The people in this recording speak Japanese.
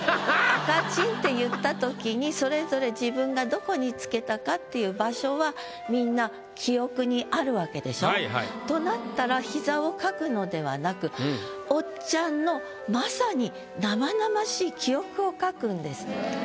「赤チン」っていった時にそれぞれ自分がどこにつけたかっていう場所はみんな記憶にあるわけでしょ？となったら「膝」を書くのではなくおっちゃんのまさに「赤チンと」